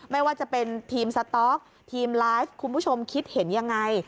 ไม่ว่าจะเป็นทีมสต๊อกทีมไลฟ์คุณผู้ชมคิดเห็นยังไง